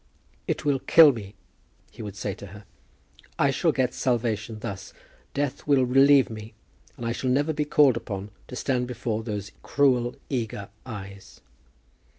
"It will kill me," he would say to her. "I shall get salvation thus. Death will relieve me, and I shall never be called upon to stand before those cruel eager eyes."